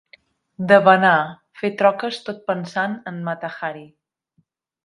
Debanar, fer troques tot pensant en Mata-Hari.